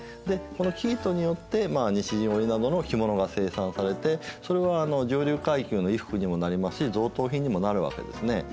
でこの生糸によってまあ西陣織などの着物が生産されてそれは上流階級の衣服にもなりますし贈答品にもなるわけですね。